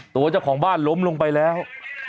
ตัวเจ้าของบ้านล้มลงไปแล้ว